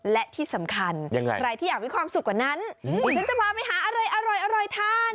และที่สำคัญใครที่อยากมีความสุขกว่านั้นดิฉันจะพาไปหาอะไรอร่อยทาน